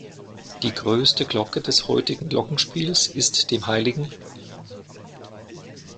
Die größte Glocke des heutigen Glockenspiels ist dem hl.